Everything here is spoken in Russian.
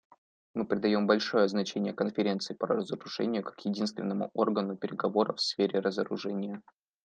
Мы придаем большое значение Конференции по разоружению как единственному органу переговоров в сфере разоружения.